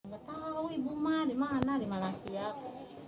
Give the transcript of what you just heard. gak tau ibu mah dimana dimalasiab